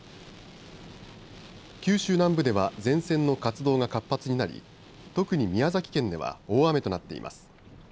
九州南部では前線の活動が活発になり特に宮崎県では大雨となっています。